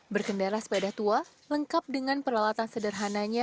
berkendara sepeda tua lengkap dengan peralatan sederhananya